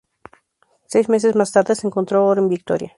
Seis meses más tarde, se encontró oro en Victoria.